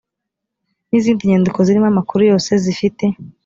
n izindi nyandiko zirimo amakuru yose zifite